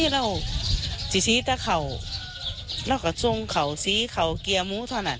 เราจริงแต่เขาเราก็จงเขาสีเขาเกลียมมูท์เท่านั้น